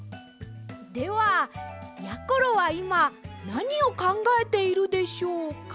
ではやころはいまなにをかんがえているでしょうか！？